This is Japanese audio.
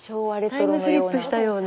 タイムスリップしたような。